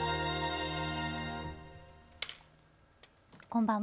こんばんは。